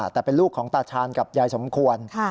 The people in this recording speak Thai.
แต่เป็นลูกของตาชาญกับยายสมควร